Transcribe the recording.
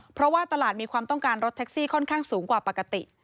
เพราะว่าตลาดมีความต้องการรถแท็กซี่ค่อนข้างสูงกว่าปกติ